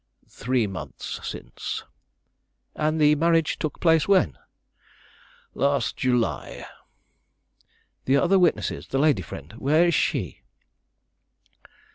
"Three months since." "And the marriage took place when?" "Last July." "The other witness, the lady friend, where is she?"